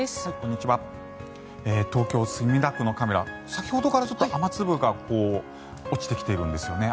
東京・墨田区のカメラ先ほどから雨粒が落ちてきているんですよね。